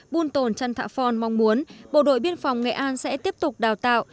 buôn tổn trân thạ phon mong muốn bộ đội biên phòng nghệ an sẽ tiếp tục đào tạo